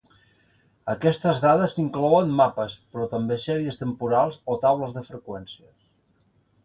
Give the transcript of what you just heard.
Aquestes dades inclouen mapes, però també sèries temporals o taules de freqüències.